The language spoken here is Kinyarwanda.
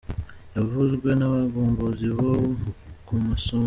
yavuzwe n’abagombozi bo ku Musamo